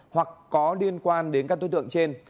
hoặc có liên quan đến các đối tượng trên